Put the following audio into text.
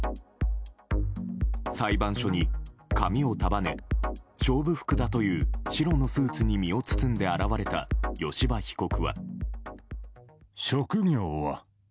裁判所に髪を束ね勝負服だという白のスーツに身を包んで現れた吉羽被告は。